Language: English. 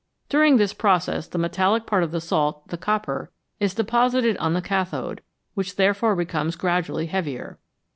During this process the metallic part of the salt, the copper, is deposited on the cathode, which therefore becomes gradually heavier.